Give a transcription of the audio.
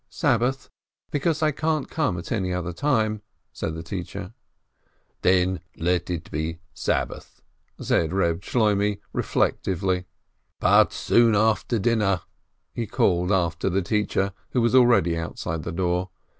"Sabbath, because I can't come at any other time," said the teacher. "Then let it be Sabbath," said Eeb Shloimeh, reflec tively. "But soon after dinner," he called after the teacher, who was already outside the door.